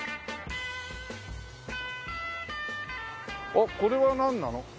あっこれはなんなの？